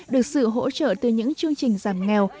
được sự hỗ trợ từ những chương trình giảm nghèo